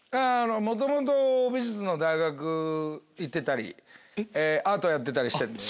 元々美術の大学行ってたりアートをやってたりしてるんで。